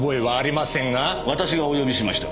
私がお呼びしました。